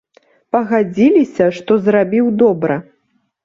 Пагадзіліся, што зрабіў добра.